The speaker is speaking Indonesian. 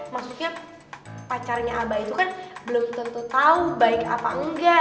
maksudnya pacarnya abah itu kan belum tentu tahu baik apa enggak